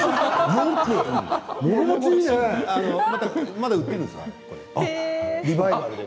まだ売ってるんですよ。